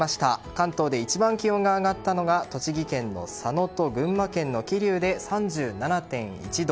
関東で一番気温が上がったのは栃木県の佐野と群馬県の桐生で３７．１度。